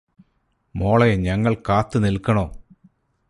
മോളെ ഞങ്ങൾ കാത്തുനിൽക്കണോ